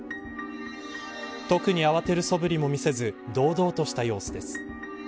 特に慌てるそぶりも見せず堂々とした様子です。